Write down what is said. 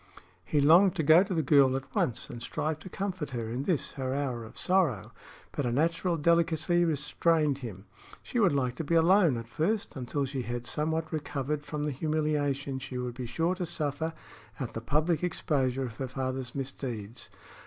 He longed to go to the girl at once and strive to comfort her in this, her hour of sorrow; but a natural delicacy restrained him. She would like to be alone, at first, until she had somewhat recovered from the humiliation she would be sure to suffer at the public exposure of her father's misdeeds.